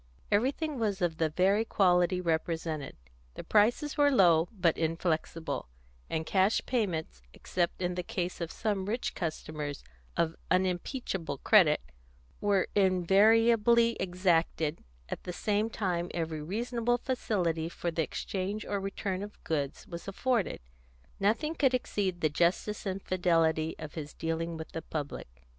Everything was of the very quality represented; the prices were low, but inflexible, and cash payments, except in the case of some rich customers of unimpeachable credit, were invariably exacted; at the same time every reasonable facility for the exchange or return of goods was afforded. Nothing could exceed the justice and fidelity of his dealing with the public.